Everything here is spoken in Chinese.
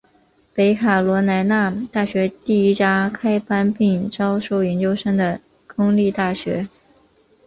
北卡罗来纳大学第一家开班并招收研究生的公立大学。